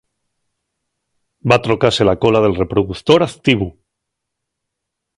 Va trocase la cola del reproductor activu.